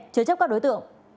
chứa chấp các đối tượng